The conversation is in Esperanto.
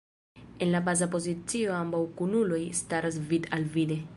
En la baza pozicio ambaŭ kunuloj staras vid-al-vide.